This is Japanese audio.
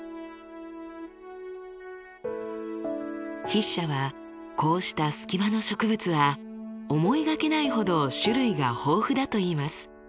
筆者はこうしたスキマの植物は思いがけないほど種類が豊富だと言います。